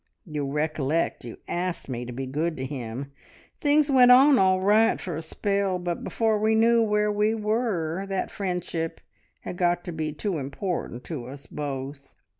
You'll recollect you asked me to be good to him! Things went on all right for a spell, but before we knew where we were that friendship had got to be too important to us both.